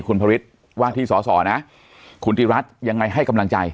คุณพลิตว่าที่สอส่อนะให้กำลังใจ